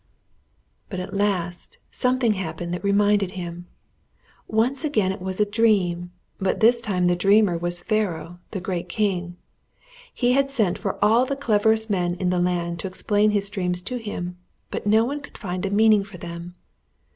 But at last something happened that reminded him. Once again it was a dream, but this time the dreamer was Pharaoh, the great king. He had sent for all the cleverest men in the land to explain his dreams to him, but no one could find a meaning for them.